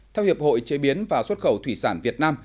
theo hiệp hội chế biến và xuất khẩu thủy sản việt nam